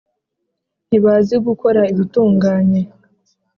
Ntibazi gukora ibitunganye,